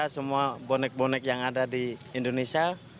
semua bonek bonek yang ada di indonesia